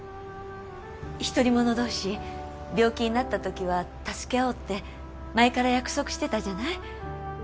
独り者同士病気になった時は助け合おうって前から約束してたじゃない？